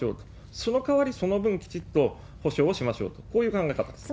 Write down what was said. そのかわり、その分きちっと補償はしましょうと、こういう考え方です。